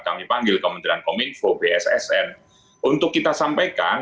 kami panggil kementerian kominfo bssn untuk kita sampaikan